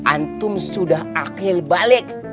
antum sudah akhil balik